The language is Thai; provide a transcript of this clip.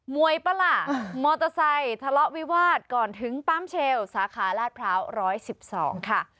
มวยปลามอเตอร์ไซค์ทะเลาะวิวาสก่อนถึงปั้มเชลสาขาราชพร้าวร้อยสิบสองค่ะ